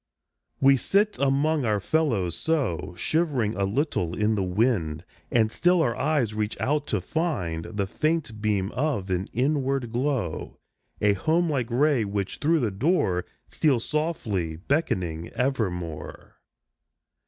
We sit among our fellows so, Shivering a little in the wind, And still our eyes reach out to find The faint beam of an inward glow A home like ray, which through the door Steals, softly beckoning, evermore.